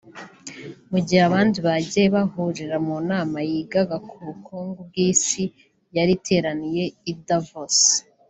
mu gihe abandi bagiye bahurira mu nama yigaga ku bukungu bw’isi yari iteraniye i Davos